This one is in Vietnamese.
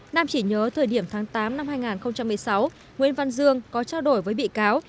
nam chỉ nhớ thời điểm tháng tám năm hai nghìn một mươi sáu nguyễn văn dương có trao đổi với bị cáo